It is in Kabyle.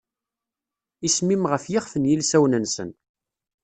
Isem-im ɣef yixef n yilsawen-nsen.